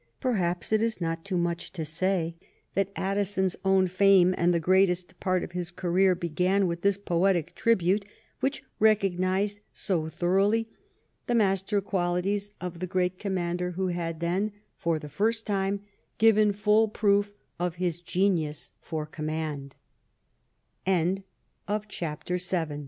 Perhaps it is not too much to say that Addison's own fame and the greatest part of his career began with this poetic tribute, which recog nized so thoroughly the master qualities of the great commander who had then, for the first time, given full proof of his genius